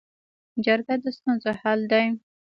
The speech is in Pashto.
جرګه د ستونزو حل دی